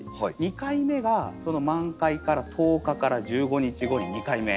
２回目が満開から１０日から１５日後に２回目。